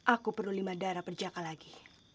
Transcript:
aku perlu lima darah perjaka lagi